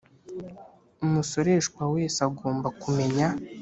Umusoreshwa wese agomba kumenya